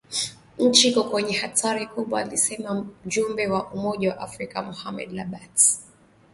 nchi iko kwenye hatari kubwa alisema mjumbe wa Umoja wa Afrika Mohamed Lebatt